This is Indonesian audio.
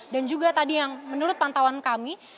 dan juga tadi yang menurut pantauan kami